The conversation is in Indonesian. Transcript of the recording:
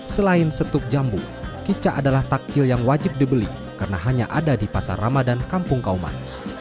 selain setup jambu kica adalah takjil yang wajib dibeli karena hanya ada di pasar ramadan kampung kauman